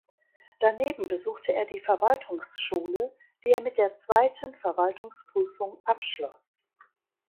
Daneben besuchte er die Verwaltungsschule, die er mit der Zweiten Verwaltungsprüfung abschloss.